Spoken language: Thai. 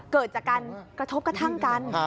เกิดจากการกระทบกระทั่งกัน